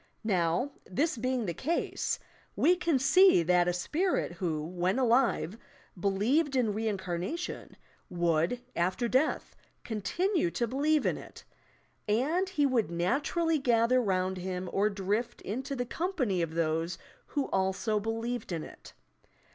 Now, this being the case, we can see that a spirit who, when alive, believed in reincarnation would, after death, continue to believe in it, and he would naturally gather round him or drift into the company of those who also believed in it.